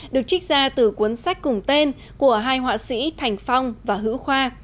được trích ra từ cuốn sách cùng tên của hai họa sĩ thành phong và hữu khoa